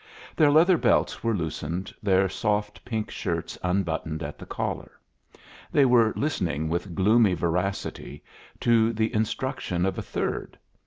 Their leather belts were loosened, their soft pink shirts unbuttoned at the collar. They were listening with gloomy voracity to the instruction of a third.